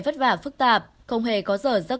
vất vả phức tạp không hề có giờ rất